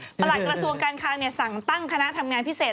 หลักกระทรวงการคังสั่งตั้งคณะทำงานพิเศษ